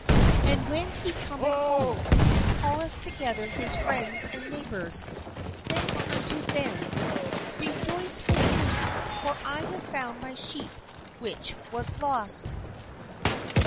And when he cometh home, he calleth together his friends and neighbours, saying unto them : I "'I have found my sheep which was lost.'"